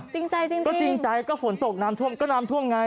จริงใจจริงนะก็จริงใจก็ฝนตกน้ำท่วมก็น้ำท่วมไง